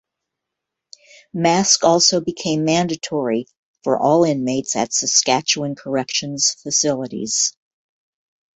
Masks also became mandatory for all inmates at Saskatchewan corrections facilities.